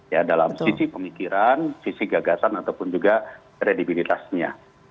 ya dalam sisi pemikiran sisi gagasan ataupun juga kredibilitasnya